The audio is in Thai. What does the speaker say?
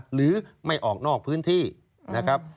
หรือไม่ออกนอกพื้นที่นะครับ